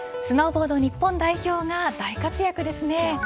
スノーボード日本代表が大活躍ですね。